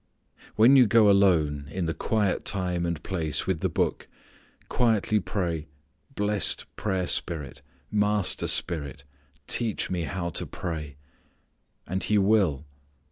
When you go alone in the quiet time and place with the Book quietly pray: "blessed Prayer Spirit, Master Spirit, teach me how to pray," and He will.